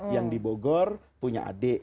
yang di bogor punya adik